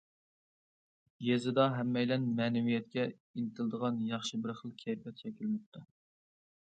يېزىدا ھەممەيلەن مەنىۋىيەتكە ئىنتىلىدىغان ياخشى بىر خىل كەيپىيات شەكىللىنىپتۇ.